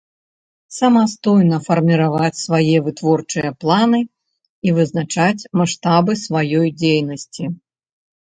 Самастойна фармiраваць свае вытворчыя планы i вызначаць маштабы сваёй дзейнасцi.